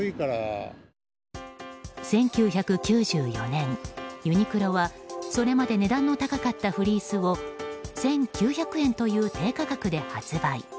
１９９４年、ユニクロはそれまで値段の高かったフリースを１９００円という低価格で発売。